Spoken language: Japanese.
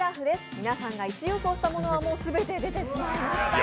皆さんが１位予想したものは全て出てしまいました。